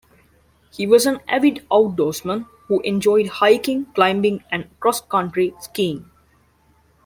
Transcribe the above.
He was an avid outdoorsman, who enjoyed hiking, climbing, and cross-country skiing.